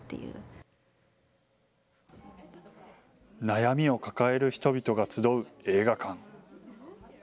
悩みを抱える人々が集う映画館。